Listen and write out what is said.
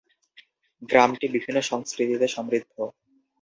গ্রামটি বিভিন্ন সংস্কৃতিতে সমৃদ্ধ।